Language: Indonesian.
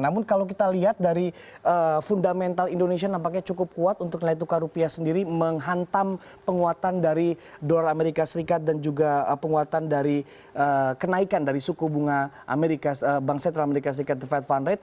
namun kalau kita lihat dari fundamental indonesia nampaknya cukup kuat untuk nilai tukar rupiah sendiri menghantam penguatan dari dolar amerika serikat dan juga penguatan dari kenaikan dari suku bunga bank sentral amerika serikat the fed fund rate